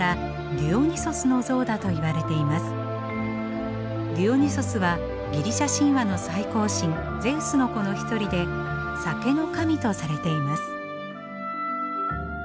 ディオニュソスはギリシャ神話の最高神ゼウスの子の一人で酒の神とされています。